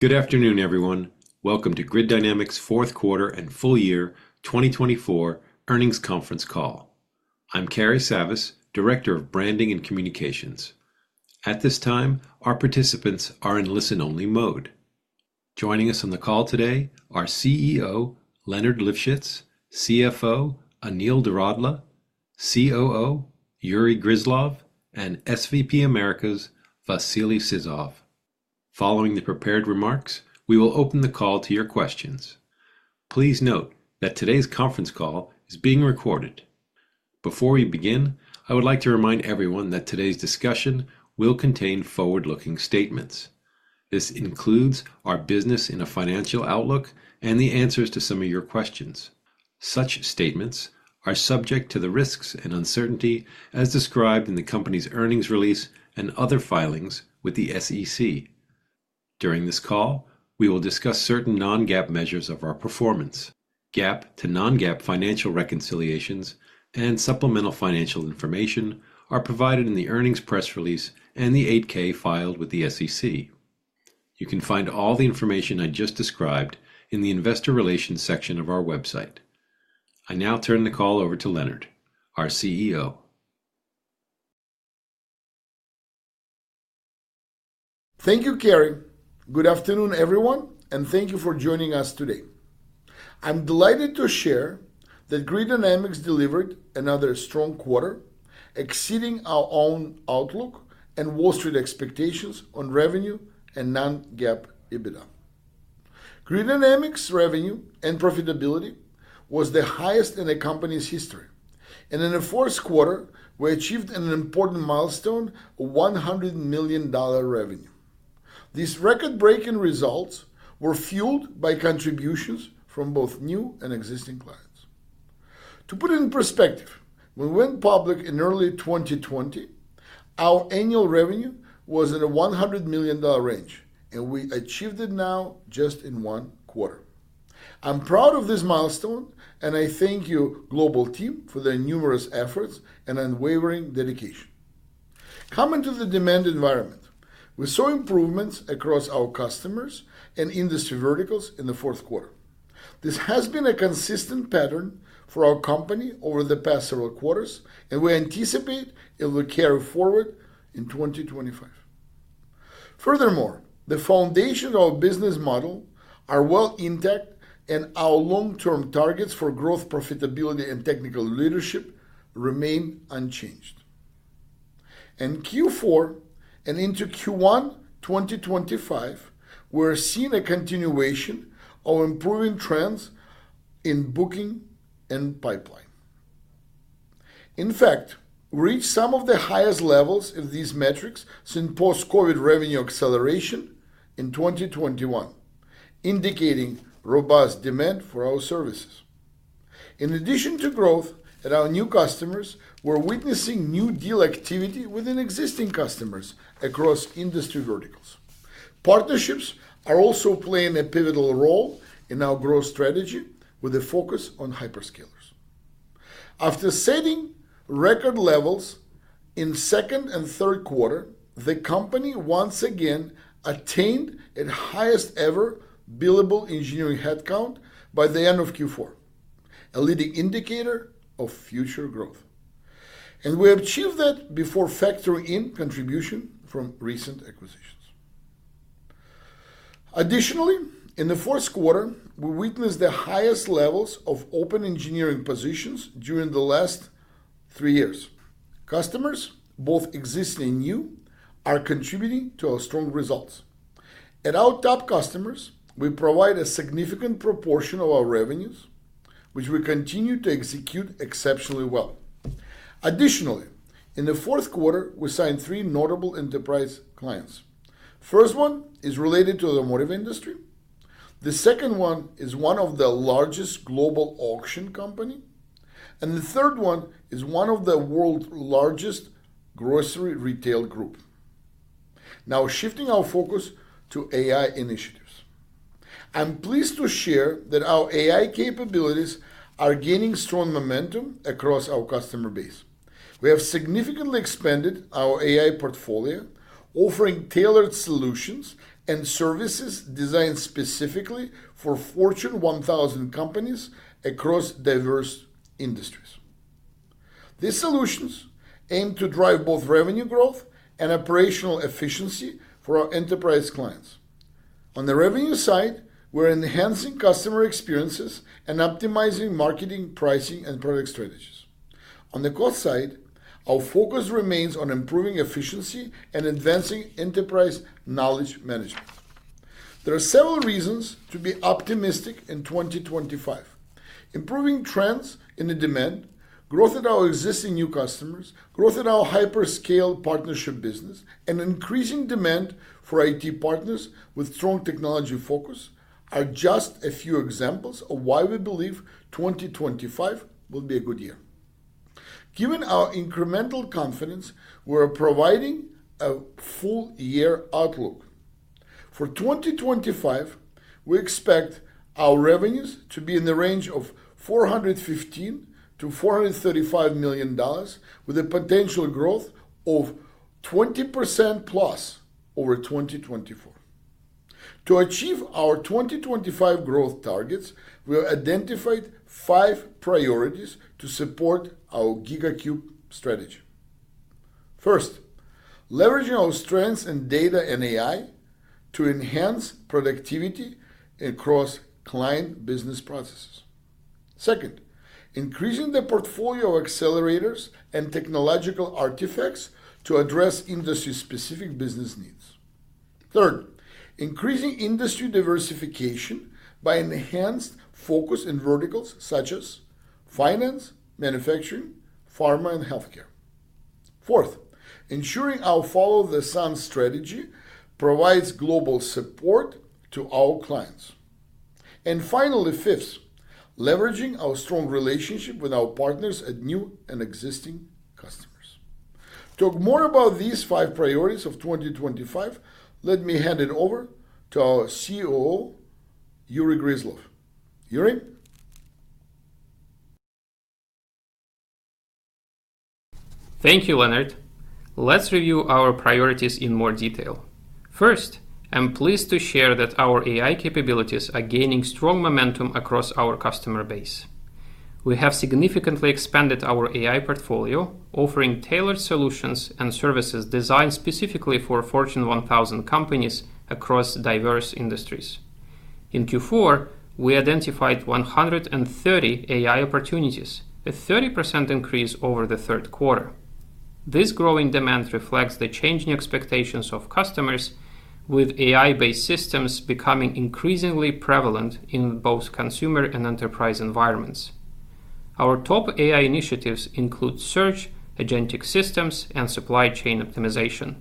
Good afternoon, everyone. Welcome to Grid Dynamics' Q4 and Full Year 2024 Earnings Conference Call. I'm Cary Savas, Director of Branding and Communications. At this time, our participants are in listen-only mode. Joining us on the call today are CEO Leonard Livschitz, CFO Anil Doradla, COO Yury Gryzlov, and SVP Americas Vasily Sizov. Following the prepared remarks, we will open the call to your questions. Please note that today's conference call is being recorded. Before we begin, I would like to remind everyone that today's discussion will contain forward-looking statements. This includes our business in a financial outlook and the answers to some of your questions. Such statements are subject to the risks and uncertainty as described in the company's earnings release and other filings with the SEC. During this call, we will discuss certain non-GAAP measures of our performance. GAAP to non-GAAP financial reconciliations and supplemental financial information are provided in the earnings press release and the 8-K filed with the SEC. You can find all the information I just described in the investor relations section of our website. I now turn the call over to Leonard, our CEO. Thank you, Cary. Good afternoon, everyone, and thank you for joining us today. I'm delighted to share that Grid Dynamics delivered another strong quarter, exceeding our own outlook and Wall Street expectations on revenue and non-GAAP EBITDA. Grid Dynamics' revenue and profitability was the highest in the company's history, and in the Q4, we achieved an important milestone of $100 million revenue. These record-breaking results were fueled by contributions from both new and existing clients. To put it in perspective, when we went public in early 2020, our annual revenue was in the $100 million range, and we achieved it now just in one quarter. I'm proud of this milestone, and I thank you, global team, for the numerous efforts and unwavering dedication. Coming to the demand environment, we saw improvements across our customers and industry verticals in the Q4. This has been a consistent pattern for our company over the past several quarters, and we anticipate it will carry forward in 2025. Furthermore, the foundations of our business model are well intact, and our long-term targets for growth, profitability, and technical leadership remain unchanged. In Q4 and into Q1 2025, we are seeing a continuation of improving trends in booking and pipeline. In fact, we reached some of the highest levels of these metrics since post-COVID revenue acceleration in 2021, indicating robust demand for our services. In addition to growth, our new customers were witnessing new deal activity within existing customers across industry verticals. Partnerships are also playing a pivotal role in our growth strategy with a focus on hyperscalers. After setting record levels in the second and Q3, the company once again attained its highest-ever billable engineering headcount by the end of Q4, a leading indicator of future growth, and we achieved that before factoring in contributions from recent acquisitions. Additionally, in the Q4, we witnessed the highest levels of open engineering positions during the last three years. Customers, both existing and new, are contributing to our strong results. At our top customers, we provide a significant proportion of our revenues, which we continue to execute exceptionally well. Additionally, in the Q4, we signed three notable enterprise clients. The first one is related to the automotive industry. The second one is one of the largest global auction companies, and the third one is one of the world's largest grocery retail groups. Now, shifting our focus to AI initiatives, I'm pleased to share that our AI capabilities are gaining strong momentum across our customer base. We have significantly expanded our AI portfolio, offering tailored solutions and services designed specifically for Fortune 1000 companies across diverse industries. These solutions aim to drive both revenue growth and operational efficiency for our enterprise clients. On the revenue side, we're enhancing customer experiences and optimizing marketing, pricing, and product strategies. On the cost side, our focus remains on improving efficiency and advancing enterprise knowledge management. There are several reasons to be optimistic in 2025. Improving trends in demand, growth in our existing new customers, growth in our hyperscale partnership business, and increasing demand for IT partners with strong technology focus are just a few examples of why we believe 2025 will be a good year. Given our incremental confidence, we're providing a full-year outlook. For 2025, we expect our revenues to be in the range of $415-$435 million, with a potential growth of 20% plus over 2024. To achieve our 2025 growth targets, we've identified five priorities to support our GigaCube strategy. First, leveraging our strengths in data and AI to enhance productivity across client business processes. Second, increasing the portfolio of accelerators and technological artifacts to address industry-specific business needs. Third, increasing industry diversification by enhanced focus in verticals such as finance, manufacturing, pharma, and healthcare. Fourth, ensuring our follow-the-sun strategy provides global support to our clients, and finally, fifth, leveraging our strong relationship with our partners at new and existing customers. To talk more about these five priorities of 2025, let me hand it over to our COO, Yury Gryzlov. Yury. Thank you, Leonard. Let's review our priorities in more detail. First, I'm pleased to share that our AI capabilities are gaining strong momentum across our customer base. We have significantly expanded our AI portfolio, offering tailored solutions and services designed specifically for Fortune 1000 companies across diverse industries. In Q4, we identified 130 AI opportunities, a 30% increase over the Q3. This growing demand reflects the changing expectations of customers, with AI-based systems becoming increasingly prevalent in both consumer and enterprise environments. Our top AI initiatives include search, agentic systems, and supply chain optimization.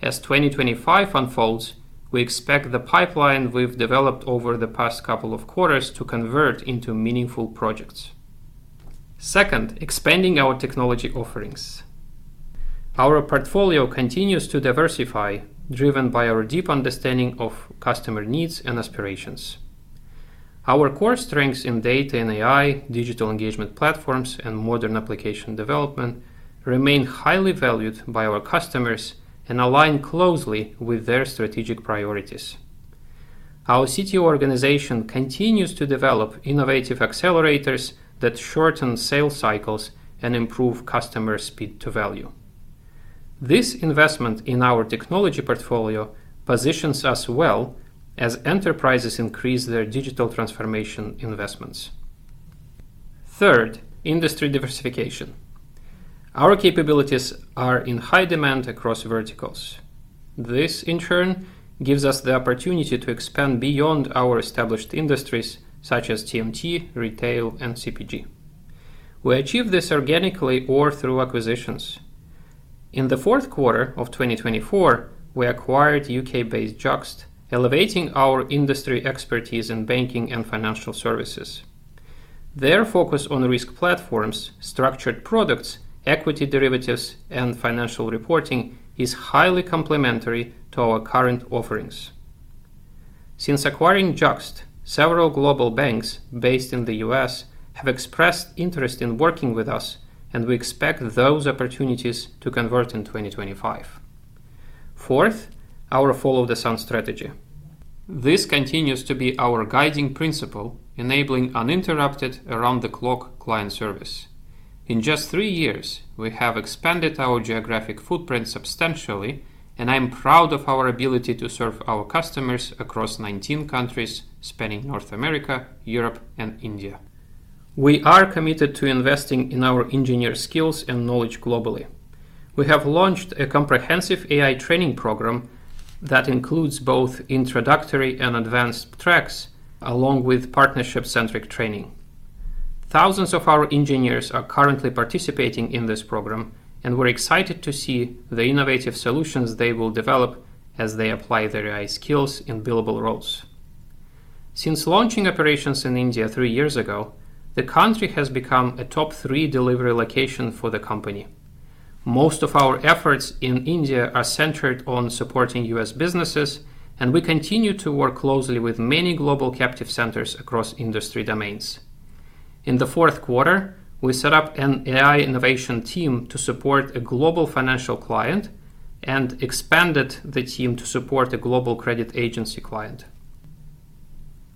As 2025 unfolds, we expect the pipeline we've developed over the past couple of quarters to convert into meaningful projects. Second, expanding our technology offerings. Our portfolio continues to diversify, driven by our deep understanding of customer needs and aspirations. Our core strengths in data and AI, digital engagement platforms, and modern application development remain highly valued by our customers and align closely with their strategic priorities. Our CTO organization continues to develop innovative accelerators that shorten sales cycles and improve customer speed-to-value. This investment in our technology portfolio positions us well as enterprises increase their digital transformation investments. Third, industry diversification. Our capabilities are in high demand across verticals. This, in turn, gives us the opportunity to expand beyond our established industries, such as TMT, retail, and CPG. We achieve this organically or through acquisitions. In the Q4 of 2024, we acquired UK-based Juxt, elevating our industry expertise in banking and financial services. Their focus on risk platforms, structured products, equity derivatives, and financial reporting is highly complementary to our current offerings. Since acquiring JUXT, several global banks based in the U.S. have expressed interest in working with us, and we expect those opportunities to convert in 2025. Fourth, our follow-the-sun strategy. This continues to be our guiding principle, enabling uninterrupted, around-the-clock client service. In just three years, we have expanded our geographic footprint substantially, and I'm proud of our ability to serve our customers across 19 countries, spanning North America, Europe, and India. We are committed to investing in our engineers' skills and knowledge globally. We have launched a comprehensive AI training program that includes both introductory and advanced tracks, along with partnership-centric training. Thousands of our engineers are currently participating in this program, and we're excited to see the innovative solutions they will develop as they apply their AI skills in billable roles. Since launching operations in India three years ago, the country has become a top three delivery location for the company. Most of our efforts in India are centered on supporting U.S. businesses, and we continue to work closely with many global captive centers across industry domains. In the Q4, we set up an AI innovation team to support a global financial client and expanded the team to support a global credit agency client.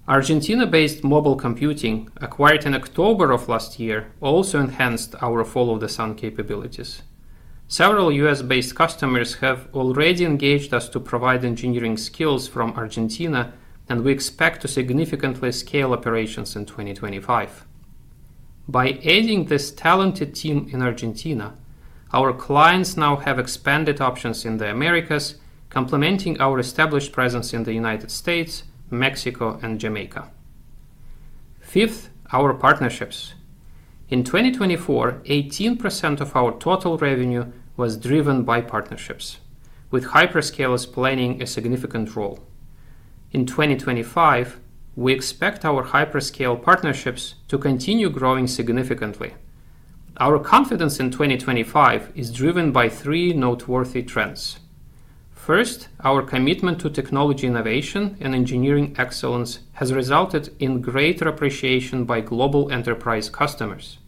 Argentina-based Mobile Computing, acquired in October of last year, also enhanced our follow-the-sun capabilities. Several U.S.-based customers have already engaged us to provide engineering skills from Argentina, and we expect to significantly scale operations in 2025. By adding this talented team in Argentina, our clients now have expanded options in the Americas, complementing our established presence in the United States, Mexico, and Jamaica. Fifth, our partnerships. In 2024, 18% of our total revenue was driven by partnerships, with hyperscalers playing a significant role. In 2025, we expect our hyperscale partnerships to continue growing significantly. Our confidence in 2025 is driven by three noteworthy trends. First, our commitment to technology innovation and engineering excellence has resulted in greater appreciation by global enterprise customers.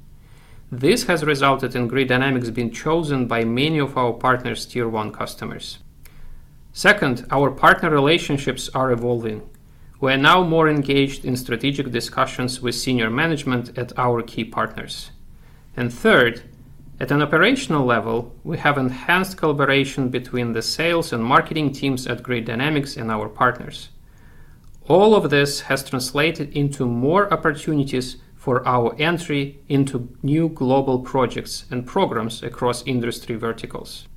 This has resulted in Grid Dynamics being chosen by many of our partners' tier-one customers. Second, our partner relationships are evolving. We are now more engaged in strategic discussions with senior management at our key partners. And third, at an operational level, we have enhanced collaboration between the sales and marketing teams at Grid Dynamics and our partners. All of this has translated into more opportunities for our entry into new global projects and programs across industry verticals.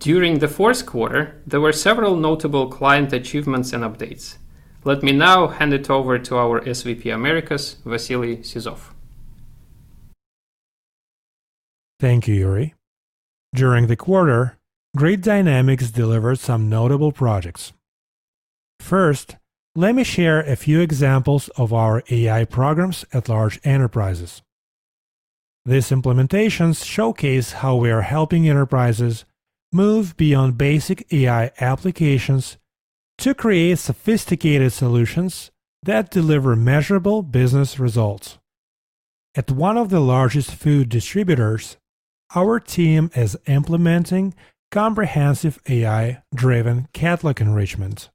During the Q4, there were several notable client achievements and updates. Let me now hand it over to our SVP Americas, Vasily Sizov. Thank you, Yury. During the quarter, Grid Dynamics delivered some notable projects. First, let me share a few examples of our AI programs at large enterprises. These implementations showcase how we are helping enterprises move beyond basic AI applications to create sophisticated solutions that deliver measurable business results. At one of the largest food distributors, our team is implementing comprehensive AI-driven catalog enrichment.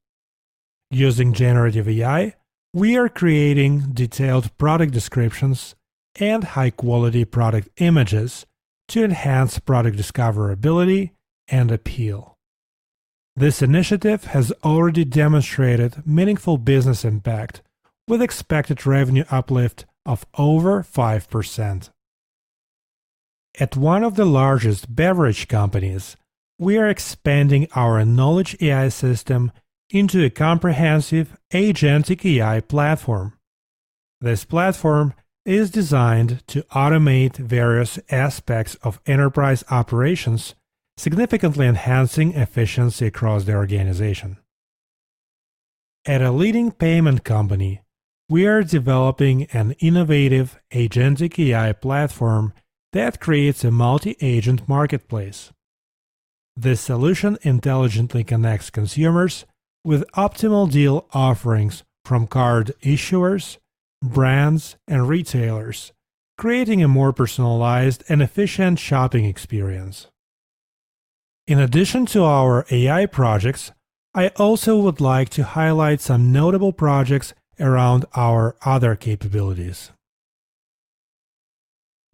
Using generative AI, we are creating detailed product descriptions and high-quality product images to enhance product discoverability and appeal. This initiative has already demonstrated meaningful business impact, with expected revenue uplift of over 5%. At one of the largest beverage companies, we are expanding our knowledge AI system into a comprehensive agentic AI platform. This platform is designed to automate various aspects of enterprise operations, significantly enhancing efficiency across the organization. At a leading payment company, we are developing an innovative agentic AI platform that creates a multi-agent marketplace. This solution intelligently connects consumers with optimal deal offerings from card issuers, brands, and retailers, creating a more personalized and efficient shopping experience. In addition to our AI projects, I also would like to highlight some notable projects around our other capabilities.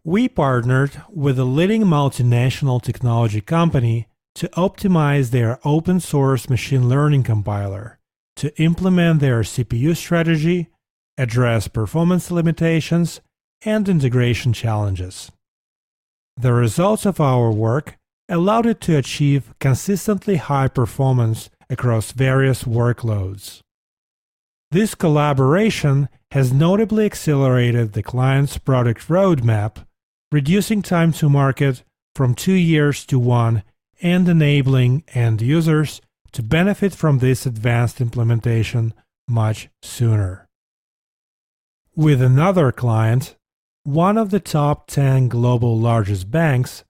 We partnered with a leading multinational technology company to optimize their open-source machine learning compiler to implement their CPU strategy, address performance limitations, and integration challenges. The results of our work allowed it to achieve consistently high performance across various workloads. This collaboration has notably accelerated the client's product roadmap, reducing time to market from two years to one and enabling end users to benefit from this advanced implementation much sooner. With another client, one of the top 10 global largest banks,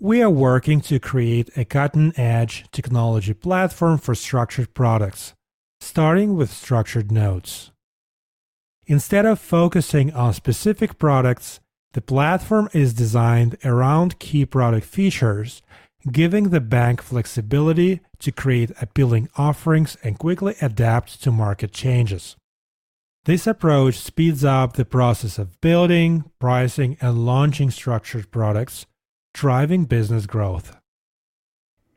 we are working to create a cutting-edge technology platform for structured products, starting with structured notes. Instead of focusing on specific products, the platform is designed around key product features, giving the bank flexibility to create appealing offerings and quickly adapt to market changes. This approach speeds up the process of building, pricing, and launching structured products, driving business growth.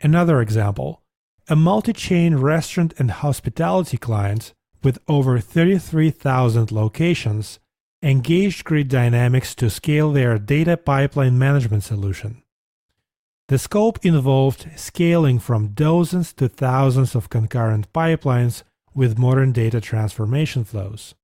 Another example, a multi-chain restaurant and hospitality client with over 33,000 locations engaged Grid Dynamics to scale their data pipeline management solution. The scope involved scaling from dozens to thousands of concurrent pipelines with modern data transformation flows.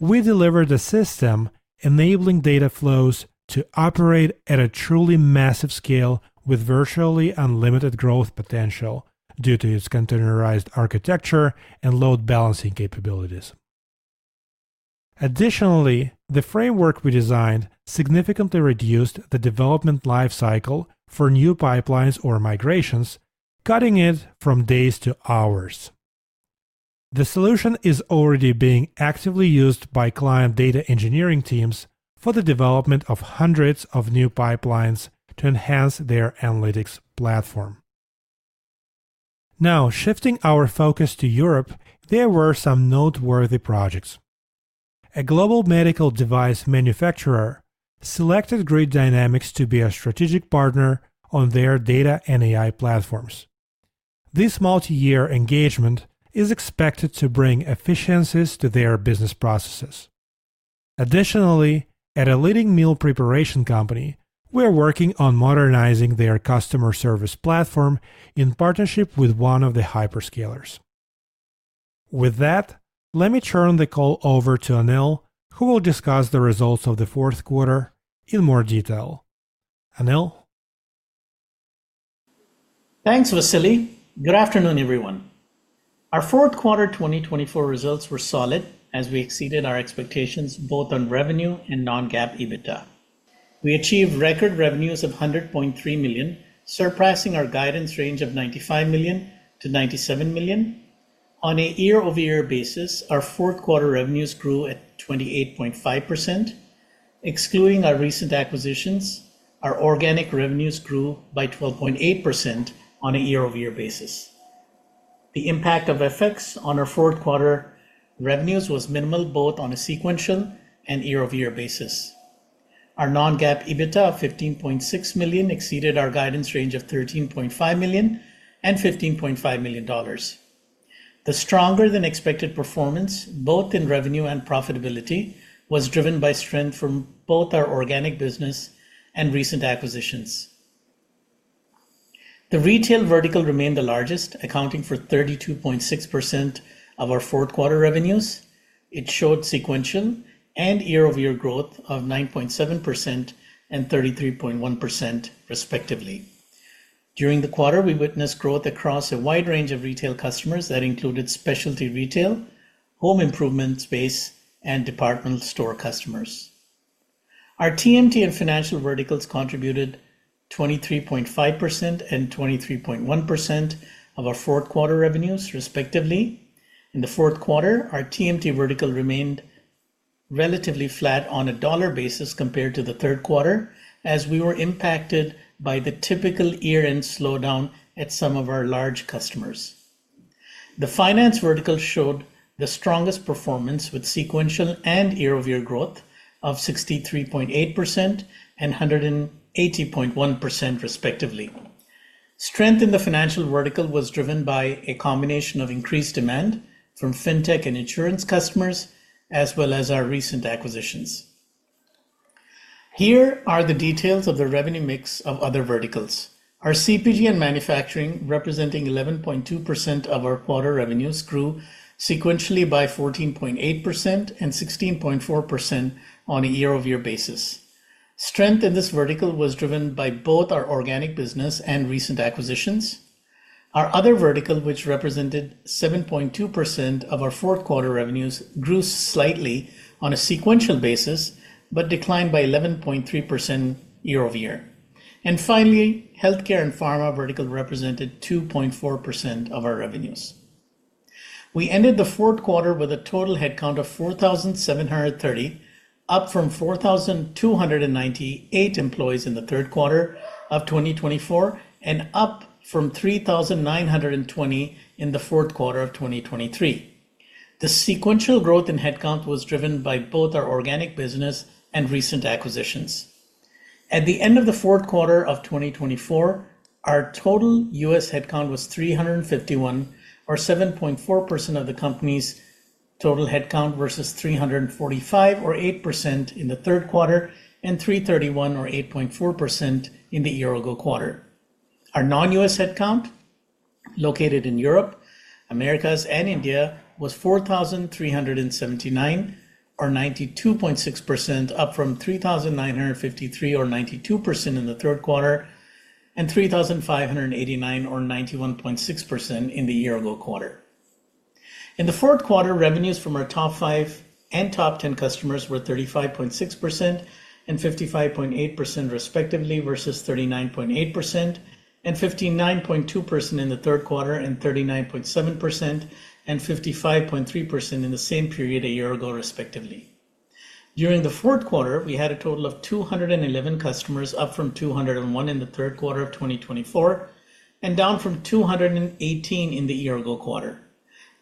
We delivered a system enabling data flows to operate at a truly massive scale with virtually unlimited growth potential due to its containerized architecture and load balancing capabilities. Additionally, the framework we designed significantly reduced the development lifecycle for new pipelines or migrations, cutting it from days to hours. The solution is already being actively used by client data engineering teams for the development of hundreds of new pipelines to enhance their analytics platform. Now, shifting our focus to Europe, there were some noteworthy projects. A global medical device manufacturer selected Grid Dynamics to be a strategic partner on their data and AI platforms. This multi-year engagement is expected to bring efficiencies to their business processes. Additionally, at a leading meal preparation company, we are working on modernizing their customer service platform in partnership with one of the hyperscalers. With that, let me turn the call over to Anil, who will discuss the results of the Q4 in more detail. Anil. Thanks, Vasily. Good afternoon, everyone. Our Q4 2024 results were solid as we exceeded our expectations both on revenue and non-GAAP EBITDA. We achieved record revenues of $100.3 million, surpassing our guidance range of $95-$97 million. On a year-over-year basis, our Q4 revenues grew at 28.5%. Excluding our recent acquisitions, our organic revenues grew by 12.8% on a year-over-year basis. The impact of FX effects on our Q4 revenues was minimal both on a sequential and year-over-year basis. Our non-GAAP EBITDA of $15.6 million exceeded our guidance range of $13.5 million and $15.5 million. The stronger-than-expected performance, both in revenue and profitability, was driven by strength from both our organic business and recent acquisitions. The retail vertical remained the largest, accounting for 32.6% of our Q4 revenues. It showed sequential and year-over-year growth of 9.7% and 33.1%, respectively. During the quarter, we witnessed growth across a wide range of retail customers that included specialty retail, home improvement space, and department store customers. Our TMT and financial verticals contributed 23.5% and 23.1% of our Q4 revenues, respectively. In the Q4, our TMT vertical remained relatively flat on a dollar basis compared to the Q3, as we were impacted by the typical year-end slowdown at some of our large customers. The finance vertical showed the strongest performance with sequential and year-over-year growth of 63.8% and 180.1%, respectively. Strength in the financial vertical was driven by a combination of increased demand from fintech and insurance customers, as well as our recent acquisitions. Here are the details of the revenue mix of other verticals. Our CPG and manufacturing, representing 11.2% of our quarter revenues, grew sequentially by 14.8% and 16.4% on a year-over-year basis. Strength in this vertical was driven by both our organic business and recent acquisitions. Our other vertical, which represented 7.2% of our Q4 revenues, grew slightly on a sequential basis but declined by 11.3% year-over-year. And finally, healthcare and pharma vertical represented 2.4% of our revenues. We ended the Q4 with a total headcount of 4,730, up from 4,298 employees in the Q3 of 2024 and up from 3,920 in the Q4 of 2023. The sequential growth in headcount was driven by both our organic business and recent acquisitions. At the end of the Q4 of 2024, our total U.S. headcount was 351, or 7.4% of the company's total headcount, versus 345, or 8% in the Q3 and 331, or 8.4% in the year-ago quarter. Our non-U.S. headcount located in Europe, Americas, and India was 4,379, or 92.6%, up from 3,953, or 92% in the Q3 and 3,589, or 91.6% in the year-ago quarter. In the Q4, revenues from our top five and top ten customers were 35.6% and 55.8%, respectively, versus 39.8% and 59.2% in the Q3 and 39.7% and 55.3% in the same period a year ago, respectively. During the Q4, we had a total of 211 customers, up from 201 in the Q3 of 2024 and down from 218 in the year-ago quarter.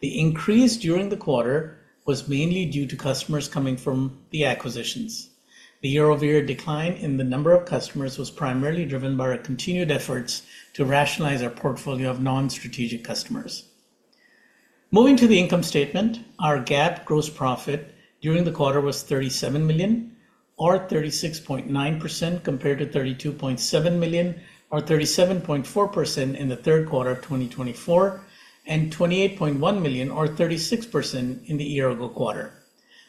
The increase during the quarter was mainly due to customers coming from the acquisitions. The year-over-year decline in the number of customers was primarily driven by our continued efforts to rationalize our portfolio of non-strategic customers. Moving to the income statement, our GAAP gross profit during the quarter was $37 million, or 36.9%, compared to $32.7 million, or 37.4% in the Q3 of 2024 and $28.1 million, or 36% in the year-ago quarter.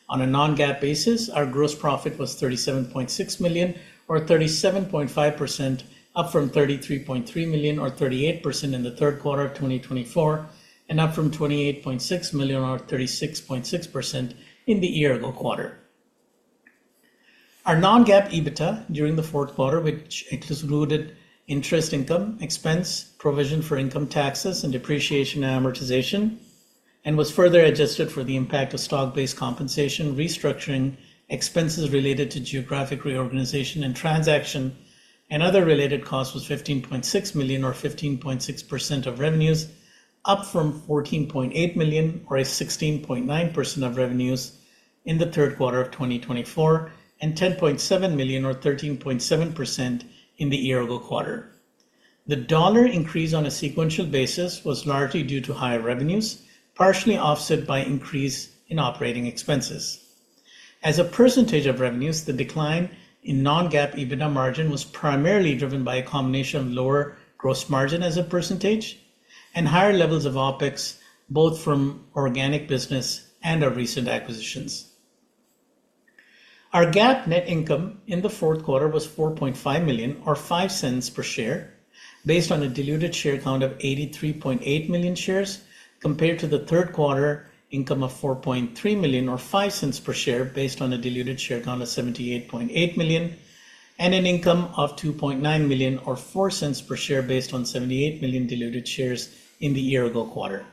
On a non-GAAP basis, our gross profit was $37.6 million, or 37.5%, up from $33.3 million, or 38% in the Q3 of 2024 and up from $28.6 million, or 36.6% in the year-ago quarter. Our non-GAAP EBITDA during the Q4, which excluded interest income, expense, provision for income taxes and depreciation amortization, and was further adjusted for the impact of stock-based compensation, restructuring expenses related to geographic reorganization and transaction and other related costs, was $15.6 million, or 15.6% of revenues, up from $14.8 million, or 16.9% of revenues in the Q3 of 2024 and $10.7 million, or 13.7% in the year-ago quarter. The dollar increase on a sequential basis was largely due to higher revenues, partially offset by increase in operating expenses. As a percentage of revenues, the decline in Non-GAAP EBITDA margin was primarily driven by a combination of lower gross margin as a percentage and higher levels of Q4, both from organic business and our recent acquisitions. Our GAAP net income in the Q4 was $4.5 million, or $0.05 per share, based on a diluted share count of 83.8 million shares, compared to the Q3 income of $4.3 million, or $0.05 per share, based on a diluted share count of 78.8 million and an income of $2.9 million, or $0.04 per share, based on 78 million diluted shares in the year-ago quarter.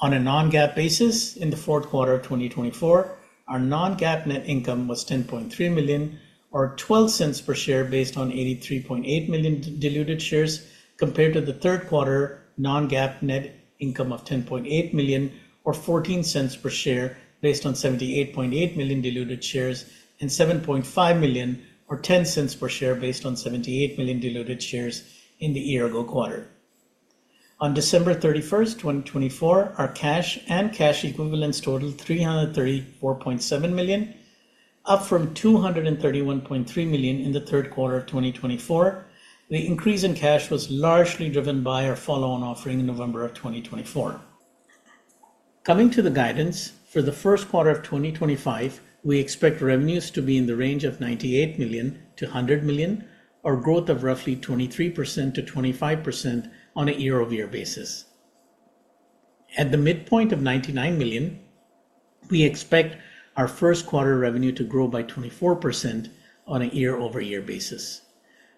On a Non-GAAP basis, in the Q4 of 2024, our Non-GAAP net income was $10.3 million, or $0.12 per share, based on 83.8 million diluted shares, compared to the Q3 Non-GAAP net income of $10.8 million, or $0.14 per share, based on 78.8 million diluted shares and $7.5 million, or $0.10 per share, based on 78 million diluted shares in the year-ago quarter. On December 31, 2024, our cash and cash equivalents totaled $334.7 million, up from $231.3 million in the Q3 of 2024. The increase in cash was largely driven by our follow-on offering in November of 2024. Coming to the guidance, for the Q1 of 2025, we expect revenues to be in the range of $98-$100 million, or growth of roughly 23%-25% on a year-over-year basis. At the midpoint of $99 million, we expect our Q1 revenue to grow by 24% on a year-over-year basis.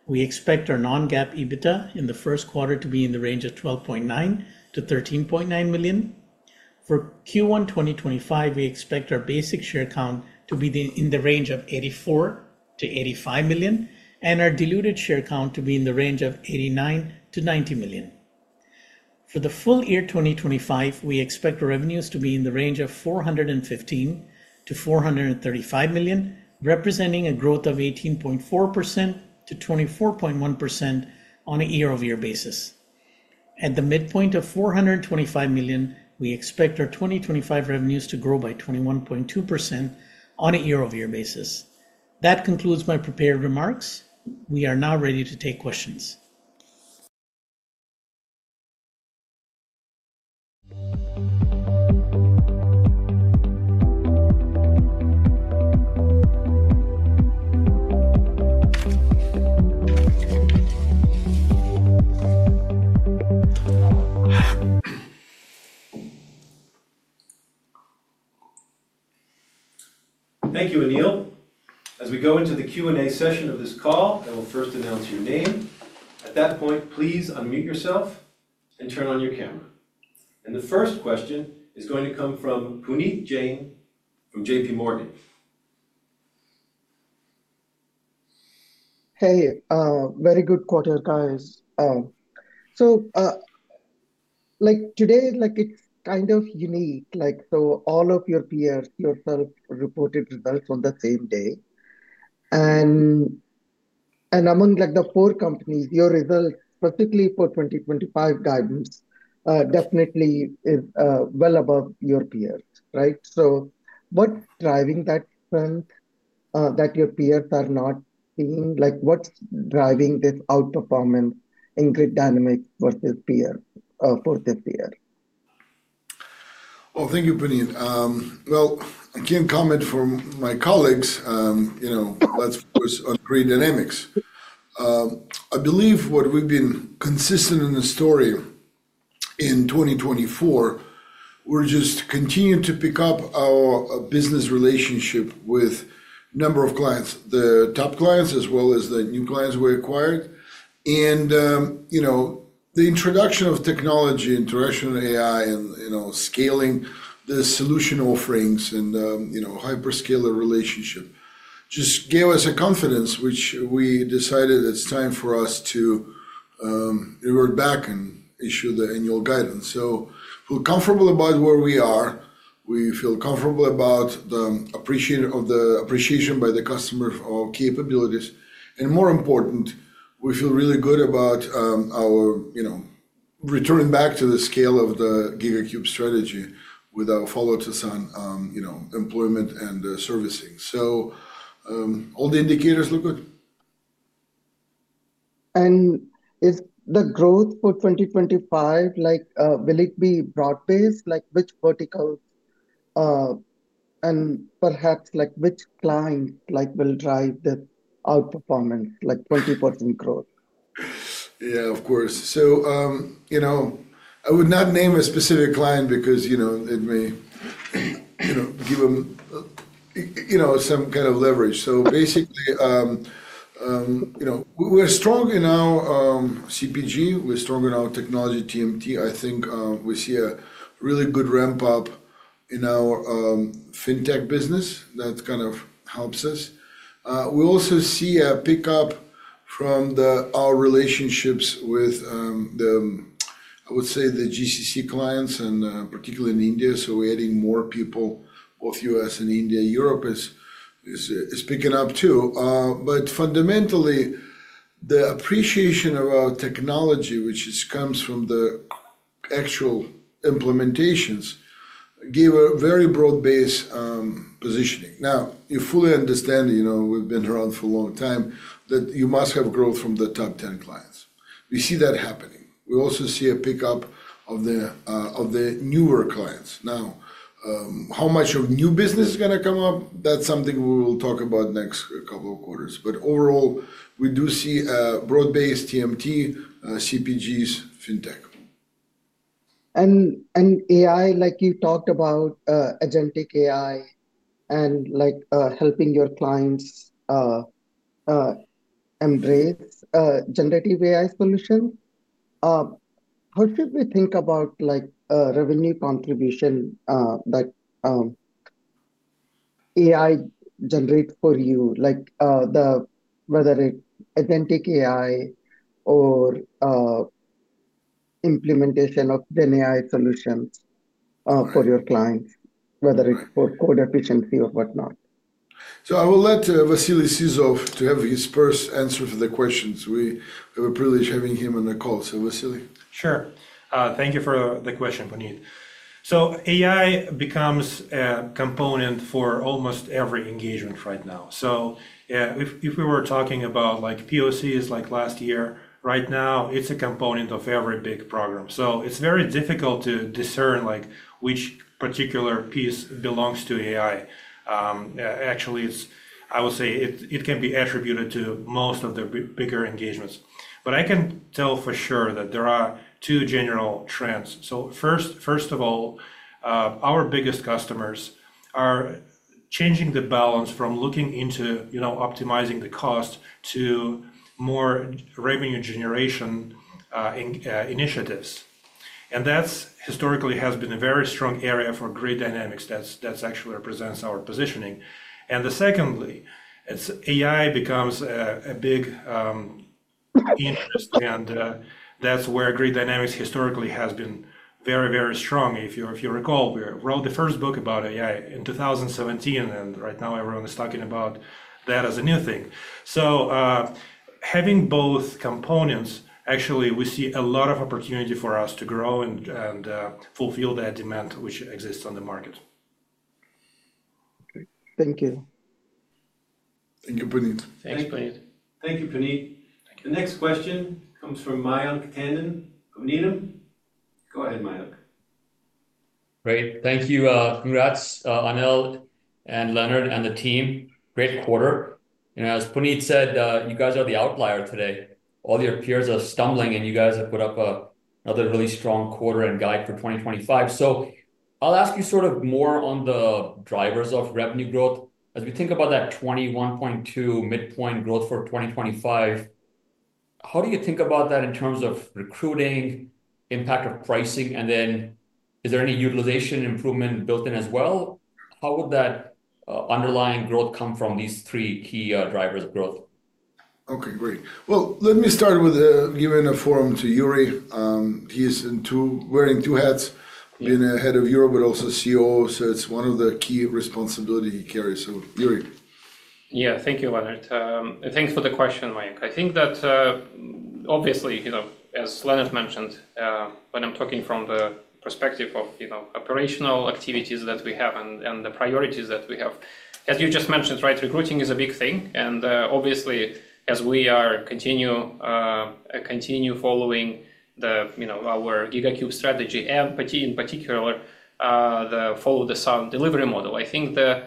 We expect our non-GAAP EBITDA in the Q1 to be in the range of $12.9-$13.9 million. For Q1 2025, we expect our basic share count to be in the range of 84-85 million and our diluted share count to be in the range of 89-90 million. For the full year 2025, we expect revenues to be in the range of $415-$435 million, representing a growth of 18.4%-24.1% on a year-over-year basis. At the midpoint of $425 million, we expect our 2025 revenues to grow by 21.2% on a year-over-year basis. That concludes my prepared remarks. We are now ready to take questions. Thank you, Anil. As we go into the Q&A session of this call, I will first announce your name. At that point, please unmute yourself and turn on your camera. And the first question is going to come from Puneet Jain from JPMorgan. Hey, very good quarter, guys. So today, it's kind of unique. So all of your peers, yourself reported results on the same day. And among the four companies, your results, particularly for 2025 guidance, definitely is well above your peers, right? So, what's driving that strength that your peers are not seeing? What's driving this outperformance in Grid Dynamics for this year? Thank you,. I can't comment for my colleagues. That's what's on Grid Dynamics. I believe what we've been consistent in the story in 2024, we're just continuing to pick up our business relationship with a number of clients, the top clients, as well as the new clients we acquired. And the introduction of technology, integration of AI, and scaling the solution offerings and hyperscale relationship just gave us a confidence, which we decided it's time for us to revert back and issue the annual guidance. So, we're comfortable about where we are. We feel comfortable about the appreciation by the customer of capabilities. And more important, we feel really good about our returning back to the scale of the GigaCube strategy with our follow-ups on employment and servicing. So all the indicators look good. Is the growth for 2025, will it be broad-based? Which verticals and perhaps which client will drive the outperformance, like 20% growth? Yeah, of course. So I would not name a specific client because it may give them some kind of leverage. So basically, we're strong in our CPG, We're strong in our technology, TMT I think we see a really good ramp-up in our fintech business. That kind of helps us. We also see a pickup from our relationships with, I would say, the GCC clients, and particularly in India. So we're adding more people both US and India, Europe is picking up too. But fundamentally, the appreciation of our technology, which comes from the actual implementations, gave a very broad-based positioning, Now, you fully understand, we've been around for a long time, that you must have growth from the top ten clients. We see that happening. We also see a pickup of the newer clients, Now, how much of new business is going to come up? That's something we will talk about next couple of quarters, But overall, we do see a broad-based TMT, CPGs, fintech. And AI, like you talked about, Agentic AI and helping your clients embrace Generative AI solutions. How should we think about revenue contribution that AI generates for you, whether it's Agentic AI or implementation of GenAI solutions for your clients, whether it's for code efficiency or whatnot? So, I will let Vasily Sizov to have his first answer for the questions, We have a privilege having him on the c,ll. So, Vasily. Sure. Thank you for the question, Puneet. So, AI becomes a component for almost every engagement right now. So, if we were talking about POCs like last year, right now, it's a component of every big program. So, it's very difficult to discern which particular piece belongs to AI. Actually, I would say it can be attributed to most of the bigger engagements. But I can tell for sure that there are two general trends. So first of all, our biggest customers are changing the balance from looking into optimizing the cost to more revenue generation initiatives. And that historically has been a very strong area for Grid Dynamics that actually represents our positioning. And secondly, AI becomes a big interest. And that's where Grid Dynamics historically has been very, very strong if you recall, we wrote the first book about AI in 2017, and right now everyone is talking about that as a new thing. So having both components, actually, we see a lot of opportunity for us to grow and fulfill that demand which exists on the market. Thank you. Thank you, Puneet. Thank you, Puneet. The next question comes from Mayank Tanden. Puneet, go ahead, Mayank. Great. Thank you. Congrats, Anil and Leonard and the team. Great quarter. As Puneet said, you guys are the outlier today. All your peers are stumbling, and you guys have put up another really strong quarter and guide for 2025. So, I'll ask you sort of more on the drivers of revenue growth. As we think about that 21.2 midpoint growth for 2025, how do you think about that in terms of recruiting, impact of pricing, and then is there any utilization improvement built in as well? How would that underlying growth come from these three key drivers of growth? Okay, great. Well, let me start with giving the floor to Yury. He's wearing two hats. He's been head of Europe, but also COO. So it's one of the key responsibilities he carries, So Yury. Yeah, thank you, Leonard. Thanks for the question, Mayank, I think that, obviously, as Leonard mentioned, when I'm talking from the perspective of operational activities that we have and the priorities that we have, as you just mentioned, right, recruiting is a big thing and obviously. As we are continually following our GigaCube strategy, and in particular, follow-the-sun delivery model, I think the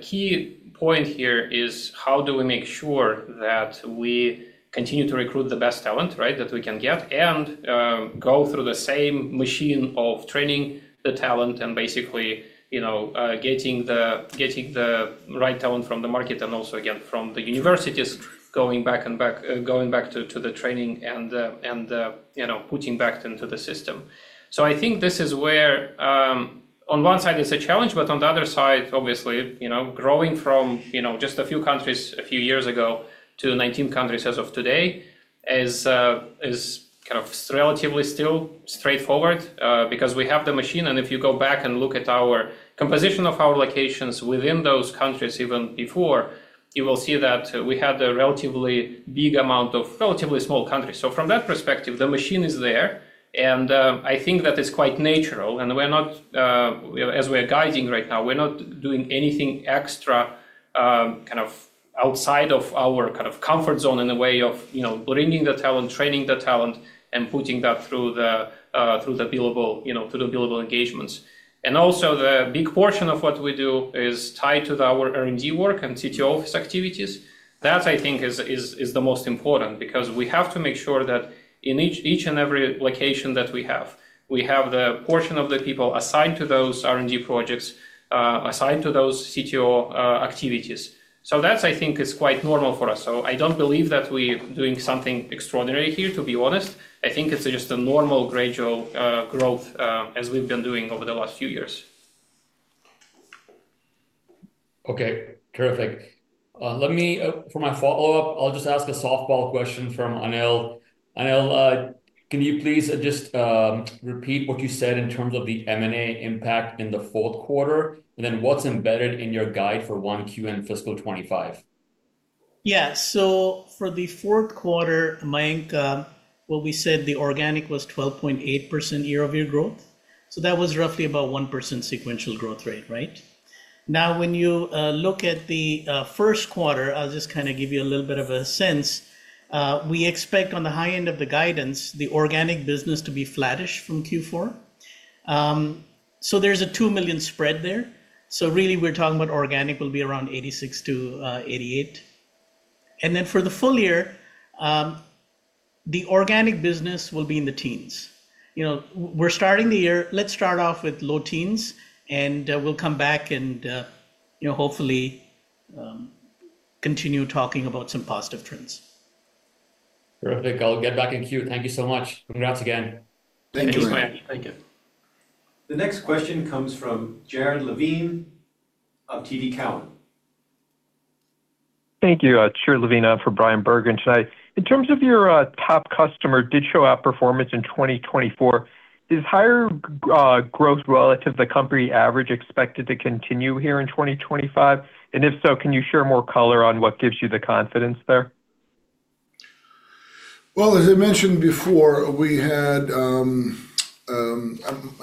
key point here is how do we make sure that we continue to recruit the best talent, right, that we can get, and go through the same machine of training the talent and basically getting the right talent from the market and also, again, from the universities, going back and going back to the training and putting back into the system. So I think this is where, on one side, it's a challenge, but on the other side, obviously, growing from just a few countries a few years ago to 19 countries as of today is kind of relatively still straightforward because we have the machine and if you go back and look at our composition of our locations within those countries even before, you will see that we had a relatively big amount of relatively small countries. So from that perspective, the machine is there. And I think that it's quite natural, And as we are guiding right now, we're not doing anything extra kind of outside of our kind of comfort zone in a way of bringing the talent, training the talent, and putting that through the billable engagements. And also, the big portion of what we do is tied to our R&D work and CTO office activities. That, I think, is the most important because we have to make sure that in each and every location that we have, we have the portion of the people assigned to those R&D projects, assigned to those CTO activities. So that, I think, is quite normal for us so, I don't believe that we're doing something extraordinary here, to be honest. I think it's just a normal gradual growth as we've been doing over the last few years. Okay, terrific. For my follow-up, I'll just ask a softball question from Anil. Anil, can you please just repeat what you said in terms of the M&A impact in the Q4? And then what's embedded in your guide for 1Q and fiscal 2025? Yeah. So, for the Q4, Mayank, what we said, the organic was 12.8% year-over-year growth. So that was roughly about 1% sequential growth rate, right? Now, when you look at the Q1, I'll just kind of give you a little bit of a sense. We expect on the high end of the guidance, the organic business to be flattish from Q4. So there's a $2 million spread there. So really, we're talking about organic will be around 86-88. And then for the full year, the organic business will be in the teens. We're starting the year. Let's start off with low teens, and we'll come back and hopefully continue talking about some positive trends. Terrific. I'll get back in queue. Thank you so much. Congrats again. Thank you, Mayank. Thank you. The next question comes from Jared Levine of TD Cowen. Thank you, Jared Levine for Bryan Bergin. In terms of your top customer digital app performance in 2024, is higher growth relative to the company average expected to continue here in 2025, and if so, can you share more color on what gives you the confidence there? As I mentioned before, we had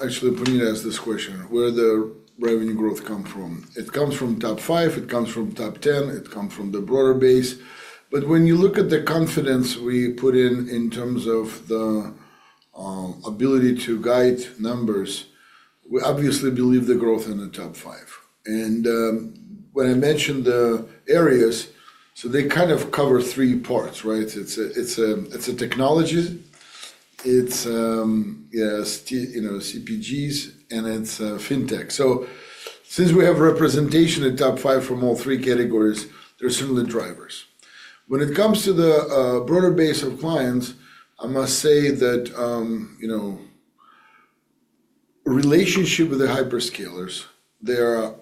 actually Puneet asked this question, where does the revenue growth come from? It comes from top five, It comes from top ten. It comes from the broader base. But when you look at the confidence we put in in terms of the ability to guide numbers, we obviously believe the growth in the top five. And when I mentioned the areas, so they kind of cover three parts, right? It's a technology. It's CPGs, and it's fintech. So since we have representation in top five from all three categories, there are certainly drivers. When it comes to the broader base of clients, I must say that relationship with the hyperscalers, their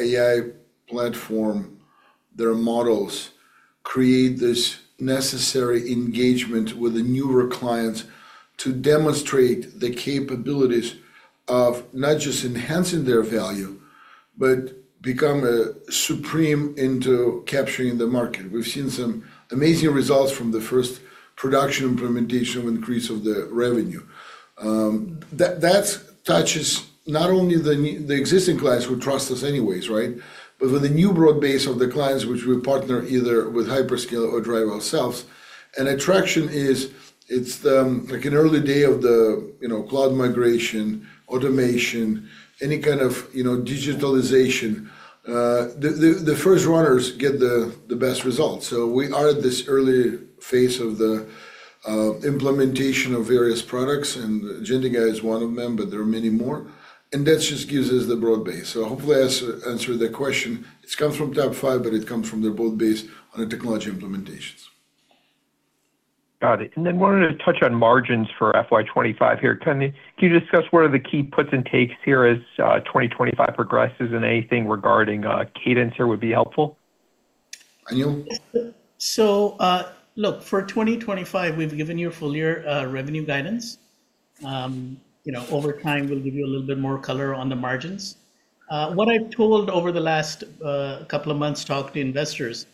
AI platform, their models create this necessary engagement with the newer clients to demonstrate the capabilities of not just enhancing their value, but become supreme into capturing the market. We've seen some amazing results from the first production implementation of increase of the revenue. That touches not only the existing clients who trust us anyways, right, but with the new broad base of the clients, which we partner either with hyperscalers or drive ourselves. And attraction is it's like an early day of the cloud migration, automation, any kind of digitalization. The first runners get the best results, so we are at this early phase of the implementation of various products, and Agentic AI is one of them, but there are many more. And that just gives us the broad base. So hopefully, I answered the question. It comes from top five, but it comes from the broad base on the technology implementations. Got it. And then wanted to touch on margins for FY25 here. Can you discuss what are the key puts and takes here as 2025 progresses? And anything regarding cadence here would be helpful. Anil? So look, for 2025, we've given you a full year revenue guidance. Over time, we'll give you a little bit more color on the margins. What I've told over the last couple of months talking to investors,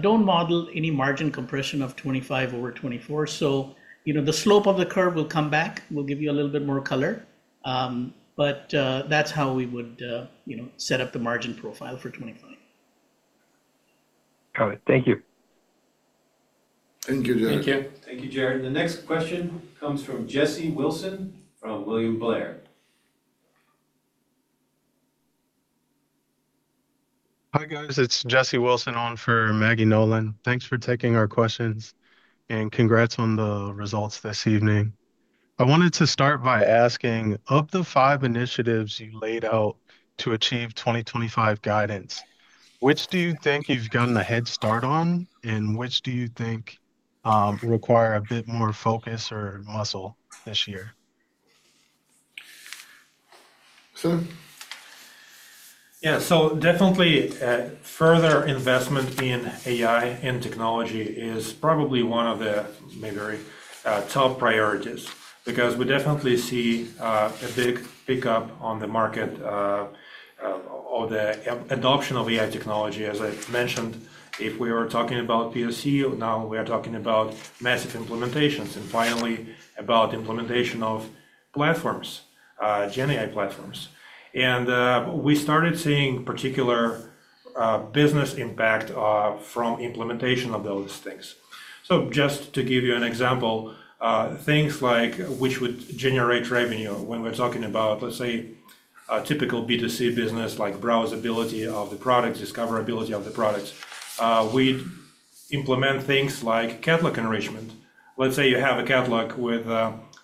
don't model any margin compression of 25 over 24. So the slope of the curve will come back. We'll give you a little bit more color. But that's how we would set up the margin profile for 25. Got it. Thank you. Thank you, Jared. Thank you, Jared. The next question comes from Jesse Wilson from William Blair. Hi guys. It's Jesse Wilson on for Maggie Nolan. Thanks for taking our questions and congrats on the results this evening. I wanted to start by asking, of the five initiatives you laid out to achieve 2025 guidance, which do you think you've gotten a head start on, and which do you think require a bit more focus or muscle this year? Sir. Yeah. So definitely further investment in AI and technology is probably one of the maybe top priorities because we definitely see a big pickup on the market of the adoption of AI technology. As I mentioned, if we were talking about POC, now we are talking about massive implementations and finally about implementation of platforms, GenAI platforms. And we started seeing particular business impact from implementation of those things. So just to give you an example, things like which would generate revenue when we're talking about, let's say, a typical B2C business, like browsability of the products, discoverability of the products. We implement things like catalog enrichment. Let's say you have a catalog with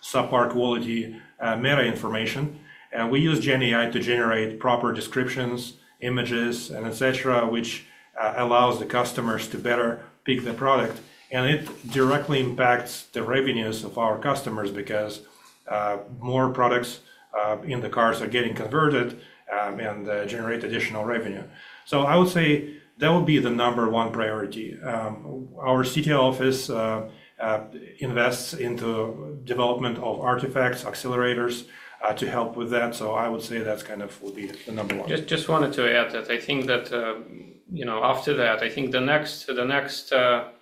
subpar quality meta information. And we use GenAI to generate proper descriptions, images, and etc., which allows the customers to better pick the product. It directly impacts the revenues of our customers because more products in the cars are getting converted and generate additional revenue. So I would say that would be the number one priority. Our CTO office invests into development of artifacts, accelerators to help with that. So I would say that kind of would be the number one. Just wanted to add that I think that after that, I think the next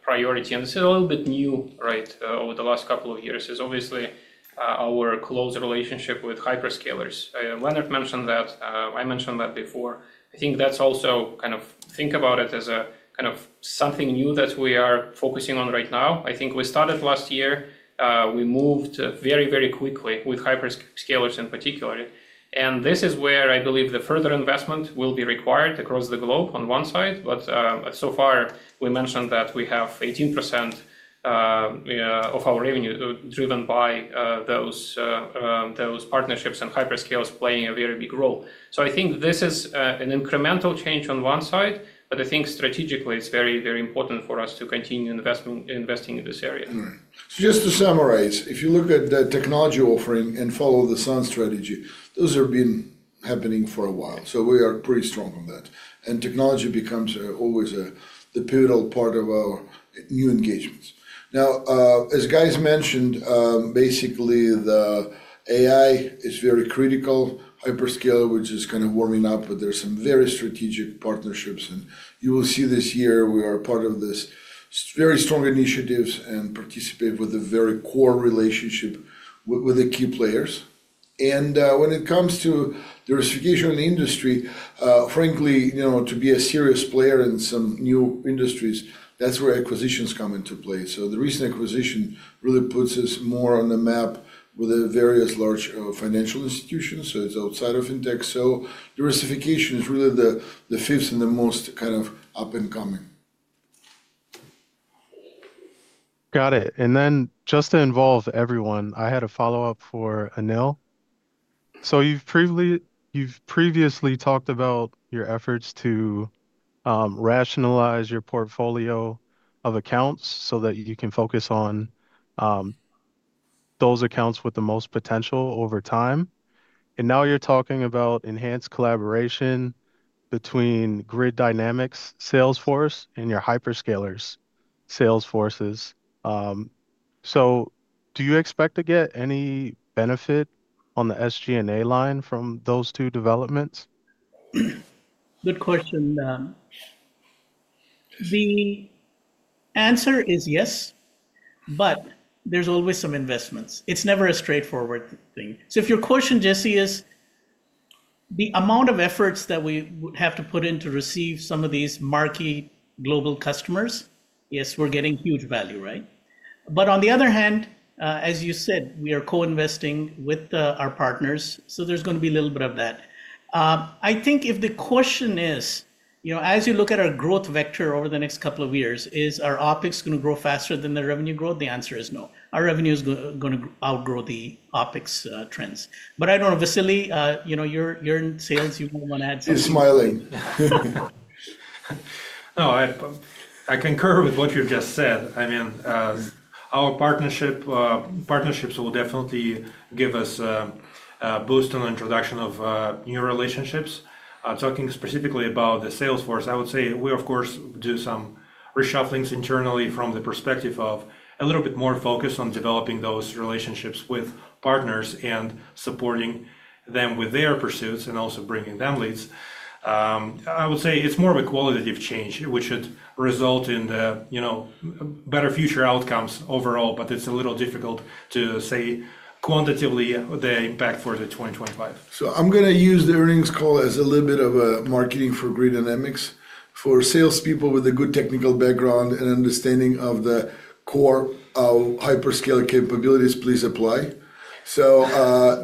priority, and this is a little bit new, right, over the last couple of years, is obviously our close relationship with hyperscalers. Leonard mentioned that. I mentioned that before. I think that's also kind of, think about it as a kind of, something new that we are focusing on right now. I think we started last year. We moved very, very quickly with hyperscalers in particular, and this is where I believe the further investment will be required across the globe on one side, but so far, we mentioned that we have 18% of our revenue driven by those partnerships and hyperscalers playing a very big role, so I think this is an incremental change on one side, but I think strategically, it's very, very important for us to continue investing in this area. So just to summarize, if you look at the technology offering and follow-the-sun strategy, those have been happening for a while, So we are pretty strong on that. And technology becomes always the pivotal part of our new engagements. Now, as guys mentioned, basically, the AI is very critical. Hyperscalers, which is kind of warming up, but there's some very strategic partnerships. And you will see this year, we are part of this very strong initiatives and participate with a very core relationship with the key players. And when it comes to diversification in the industry, frankly, to be a serious player in some new industries, that's where acquisitions come into play. So the recent acquisition really puts us more on the map with the various large financial institutions. So it's outside of fintech. So diversification is really the fifth and the most kind of up-and-coming. Got it. And then just to involve everyone, I had a follow-up for Anil. So you've previously talked about your efforts to rationalize your portfolio of accounts so that you can focus on those accounts with the most potential over time. And now you're talking about enhanced collaboration between Grid Dynamics salesforce and your hyperscalers' salesforces. So do you expect to get any benefit on the SG&A line from those two developments? Good question. The answer is yes, but there's always some investments. It's never a straightforward thing, so if your question, Jesse, is the amount of efforts that we would have to put in to receive some of these marquee global customers, yes, we're getting huge value, right, but on the other hand, as you said, we are co-investing with our partners, so there's going to be a little bit of that. I think if the question is, as you look at our growth vector over the next couple of years, is our going to grow faster than the revenue growth? The answer is no. Our revenue is going to outgrow the OpEx trends, but I don't know, Vasily, you're in sales. You might want to add something. He's smiling. No, I concur with what you've just said. I mean, our partnerships will definitely give us a boost on the introduction of new relationships. Talking specifically about the Salesforce, I would say we, of course, do some reshufflings internally from the perspective of a little bit more focus on developing those relationships with partners and supporting them with their pursuits and also bringing them leads. I would say it's more of a qualitative change, which should result in better future outcomes overall, but it's a little difficult to say quantitatively the impact for the 2025. So I'm going to use the earnings call as a little bit of marketing for Grid Dynamics. For salespeople with a good technical background and understanding of the core hyperscale capabilities, please apply. So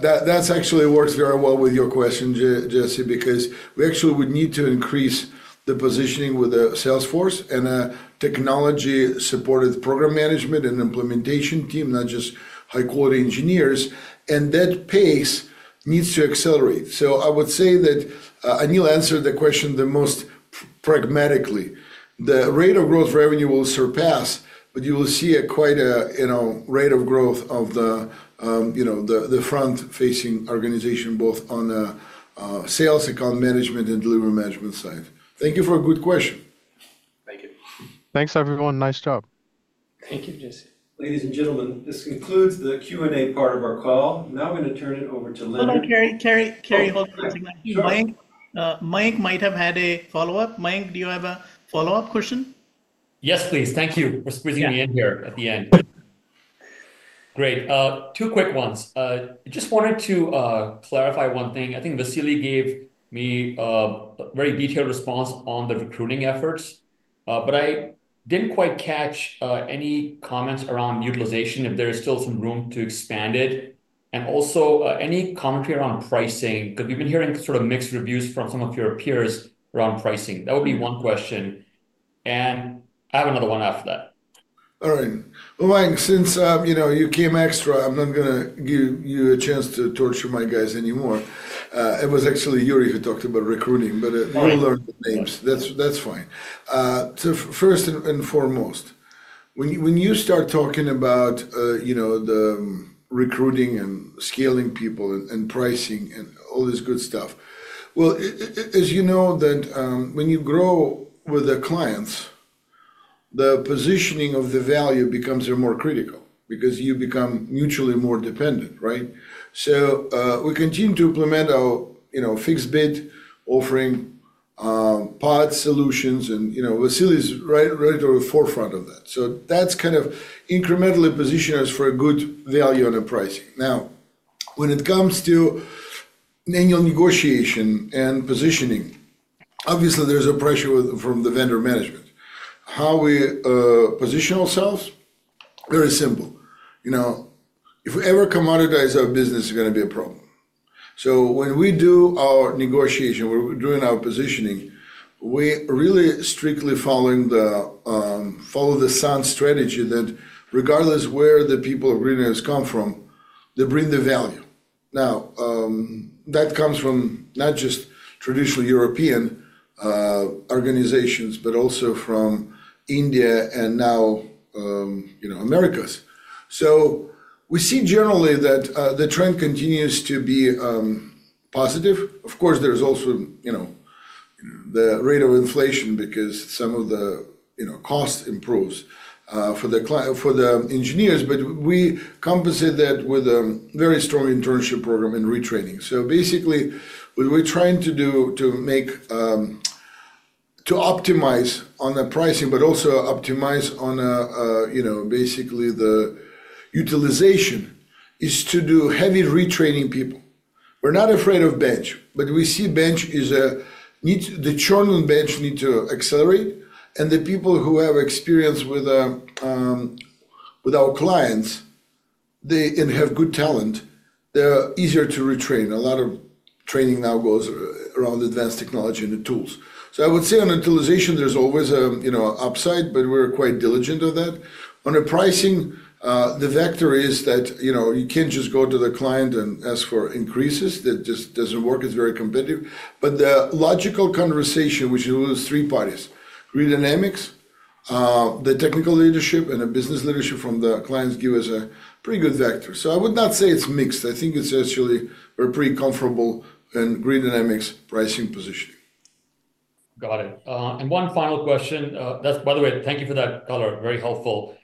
that actually works very well with your question, Jesse, because we actually would need to increase the positioning with the sales force and a technology-supported program management and implementation team, not just high-quality engineers. And that pace needs to accelerate. So I would say that Anil answered the question the most pragmatically. The rate of growth revenue will surpass, but you will see quite a rate of growth of the front-facing organization, both on the sales account management and delivery management side. Thank you for a good question. Thanks, everyone. Nice job. Thank you, Jesse. Ladies and gentlemen, this concludes the Q&A part of our call. Now I'm going to turn it over to Anil Doradla. Hold on, Cary. Cary, hold on. Mike might have had a follow-up. Mike, do you have a follow-up question? Yes, please. Thank you for squeezing me in here at the end. Great. Two quick ones. I just wanted to clarify one thing I think Vasily gave me a very detailed response on the recruiting efforts, but I didn't quite catch any comments around utilization, if there is still some room to expand it. And also, any commentary around pricing? Because we've been hearing sort of mixed reviews from some of your peers around pricing. That would be one question. And I have another one after that. All right. Well, Mike, since you came extra, I'm not going to give you a chance to torture my guys anymore. It was actually Yury who talked about recruiting, but we'll learn the names that's fine. So first and foremost, when you start talking about the recruiting and scaling people and pricing and all this good stuff, well, as you know, when you grow with the clients, the positioning of the value becomes more critical because you become mutually more dependent, right? So we continue to implement our fixed bid offering, pod solutions, and Vasily is right at the forefront of that. So that's kind of incrementally positioned us for a good value on the pricing. Now, when it comes to manual negotiation and positioning, obviously, there's a pressure from the vendor management. How we position ourselves? Very simple. If we ever commoditize our business, it's going to be a problem. So when we do our negotiation, we're doing our positioning, we really strictly follow the sound strategy that regardless of where the people agreement has come from, they bring the value. Now, that comes from not just traditional European organizations, but also from India and now Americas. So we see generally that the trend continues to be positive. Of course, there's also the rate of inflation because some of the cost improves for the engineers, but we compensate that with a very strong internship program and retraining. So basically, what we're trying to do to optimize on the pricing, but also optimize on basically the utilization, is to do heavy retraining people. We're not afraid of bench, but we see that the churn on the bench needs to accelerate. The people who have experience with our clients and have good talent, they're easier to retrain. A lot of training now goes around advanced technology and the tools. So I would say on utilization, there's always an upside, but we're quite diligent of that. On the pricing, the vector is that you can't just go to the client and ask for increases, That just doesn't work. It's very competitive. But the logical conversation, which includes three parties. Grid Dynamics, the technical leadership, and the business leadership from the clients give us a pretty good vector, So I would not say it's mixed i think it's actually a pretty comfortable and Grid Dynamics pricing positioning. Got it. And one final question. By the way, thank you for that, color. Very helpful.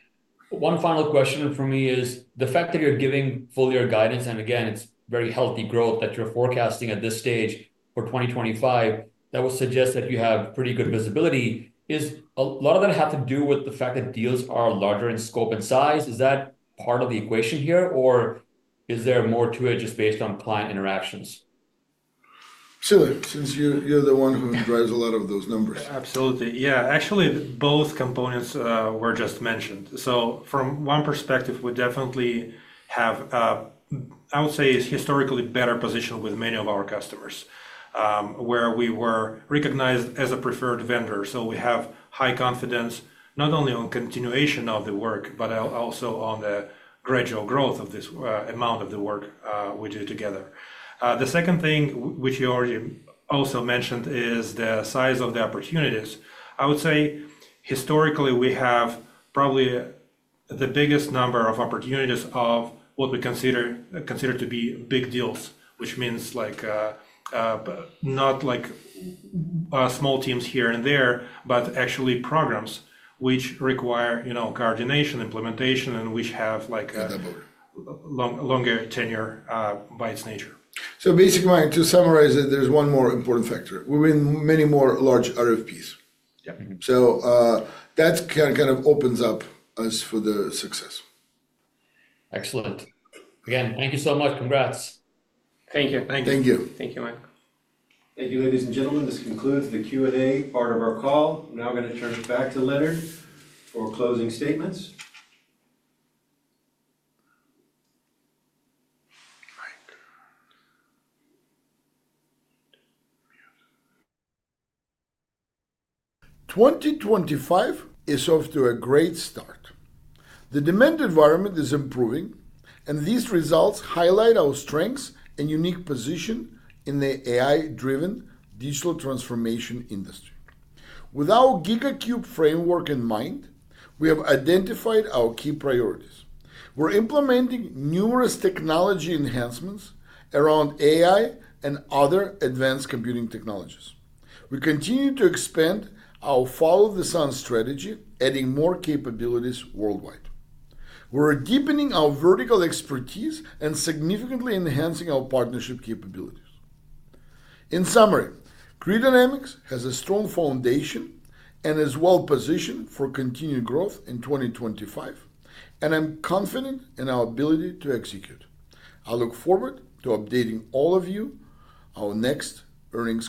One final question for me is the fact that you're giving full year guidance, and again, it's very healthy growth that you're forecasting at this stage for 2025. That would suggest that you have pretty good visibility. Does a lot of that have to do with the fact that deals are larger in scope and size? Is that part of the equation here, or is there more to it just based on client interactions? Sure. Since you're the one who drives a lot of those numbers. Absolutely. Yeah. Actually, both components were just mentioned. So from one perspective, we definitely have, I would say, historically better positioned with many of our customers where we were recognized as a preferred vendor, So we have high confidence not only on continuation of the work, but also on the gradual growth of this amount of the work we do together. The second thing, which you already also mentioned, is the size of the opportunities. I would say historically, we have probably the biggest number of opportunities of what we consider to be big deals, which means not small teams here and there, but actually programs which require coordination, implementation, and which have a longer tenure by its nature. So basically, Mike, to summarize it, there's one more important factor. We're in many more large RFPs. So that kind of opens up us for the success. Excellent. Again, thank you so much. Congrats. Thank you. Thank you. Thank you, Mike. Thank you, ladies and gentlemen this concludes the Q&A part of our call. I'm now going to turn it back to Leonard for closing statements. 2025 is off to a great start. The demand environment is improving, and these results highlight our strengths and unique position in the AI-driven digital transformation industry. With our GigaCube framework in mind, we have identified our key priorities. We're implementing numerous technology enhancements around AI and other advanced computing technologies. We continue to expand our follow-the-sun strategy, adding more capabilities worldwide. We're deepening our vertical expertise and significantly enhancing our partnership capabilities. In summary, Grid Dynamics has a strong foundation and is well-positioned for continued growth in 2025, and I'm confident in our ability to execute. I look forward to updating all of you on our next earnings.